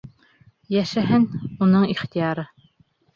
Йәшәһен, уның ихтыяры.